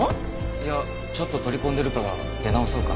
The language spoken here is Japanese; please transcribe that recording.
いやちょっと取り込んでるから出直そうかなって。